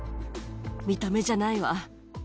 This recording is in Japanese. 見た目じゃないわ。